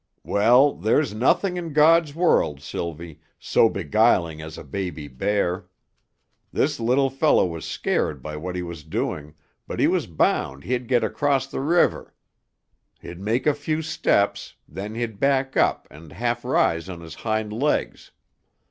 Well, there's nothing in God's world, Sylvie, so beguiling as a baby bear. This little fellow was scared by what he was doing, but he was bound he'd get across the river. He'd make a few steps; then he'd back up and half rise on his hind legs.